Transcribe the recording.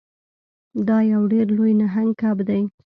دا یو ډیر لوی نهنګ کب دی.